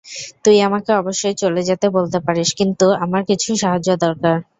তুই আমাকে অবশ্যই চলে যেতে বলতে পারিস, কিন্তু আমার কিছু সাহায্য দরকার।